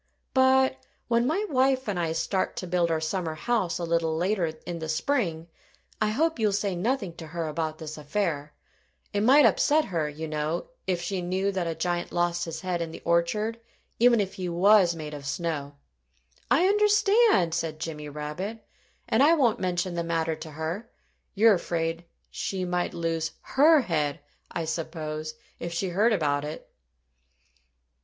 "But when my wife and I start to build our summer house a little later in the spring, I hope you'll say nothing to her about this affair. It might upset her, you know, if she knew that a giant lost his head in the orchard even if he was made of snow." "I understand!" said Jimmy Rabbit. "And I won't mention the matter to her. You're afraid she might lose her head, I suppose, if she heard about it."